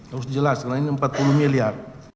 harus jelas karena ini empat puluh miliar